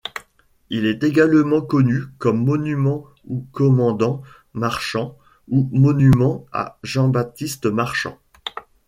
Il est également connu comme monument au commandant Marchand ou monument à Jean-Baptiste Marchand.